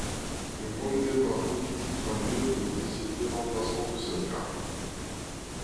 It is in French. Un grand débat politique a lieu pour désigner l'emplacement de cette gare.